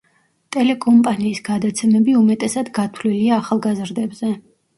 ტელეკომპანიის გადაცემები უმეტესად გათვლილია ახალგაზრდებზე.